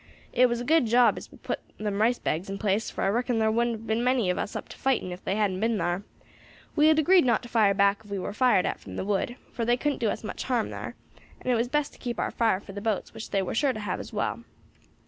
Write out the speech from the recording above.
It was a good job as we put them rice bags in place, for I reckon thar wouldn't have been many of us up to fighting if they hadn't been thar. We had agreed not to fire back if we war fired at from the wood, for they couldn't do us much harm thar, and it was best to keep our fire for the boats which they war sure to have as well.